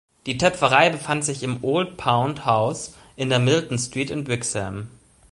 Die Töpferei befand sich im Old Pound House in der Milton Street in Brixham.